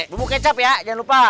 bubuk kecap ya jangan lupa